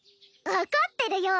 分かってるよ